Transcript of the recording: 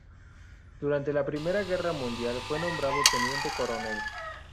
Durante la Primera Guerra Mundial fue nombrado teniente coronel.